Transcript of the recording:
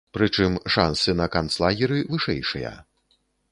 Прычым, шансы на канцлагеры вышэйшыя.